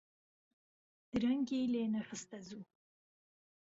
درەنگی لێ نهخسته زوو